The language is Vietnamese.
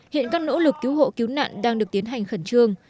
hiện các nỗ lực cứu hộ cứu nạn đang được tiến hành khẩn trương